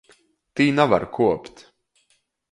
Tī navar kuopt.